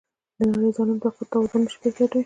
د نړی ظالم طاقت توازن نشي پټیدای.